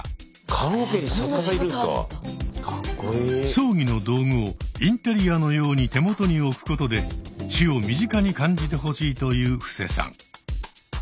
葬儀の道具をインテリアのように手元に置くことで死を身近に感じてほしいという布施さん。